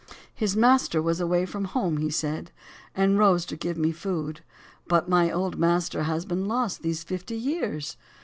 His master was away from home, He said, and rose to give me food ;" But my old master has been lost These fifty years."